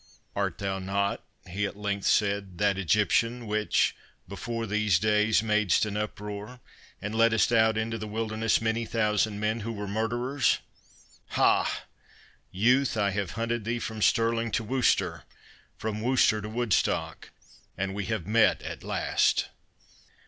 "Art not thou," he at length said, "that Egyptian which, before these days, madest an uproar, and leddest out into the wilderness many thousand men, who were murderers!—Ha, youth, I have hunted thee from Stirling to Worcester, from Worcester to Woodstock, and we have met at last!"